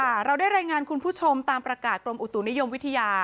เราได้รายงานคุณผู้ชมตามประกาศกรมอุตุนิยมวิทยา